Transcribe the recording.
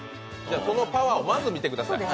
そのパワーをまず見てください。